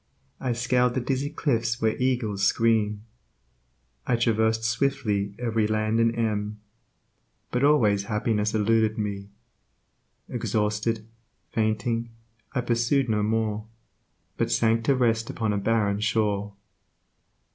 I scaled the dizzy cliffs where eagles scream; I traversed swiftly every land and M. But always happiness eluded me. Exhausted, fainting, I pursued no more, But sank to rest upon a barren shore.